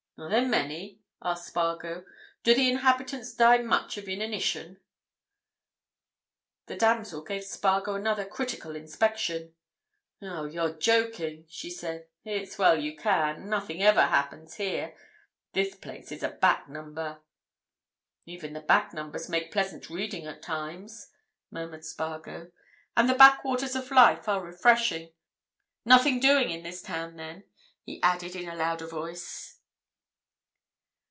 "Are there many?" asked Spargo. "Do the inhabitants die much of inanition?" The damsel gave Spargo another critical inspection. "Oh, you're joking!" she said. "It's well you can. Nothing ever happens here. This place is a back number." "Even the back numbers make pleasant reading at times," murmured Spargo. "And the backwaters of life are refreshing. Nothing doing in this town, then?" he added in a louder voice.